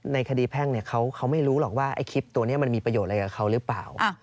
ในคดีแพ่งเขาไม่รู้หรอกว่าไอ้คลิปตัวนี้มันมีประโยชน์อะไรกับเขาหรือเปล่า